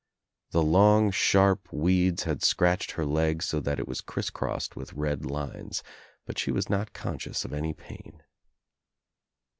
The long sharp weeds had scratched her leg so that it was criss crossed with red lines, but she was not conscious of any pain.